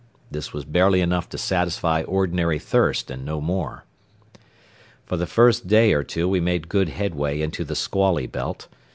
This was barely enough to satisfy ordinary thirst and no more. For the first day or two we made good headway into the squally belt.